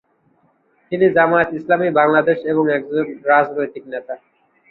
তিনি জামায়াত ইসলামী বাংলাদেশ এর একজন রাজনৈতিক নেতা।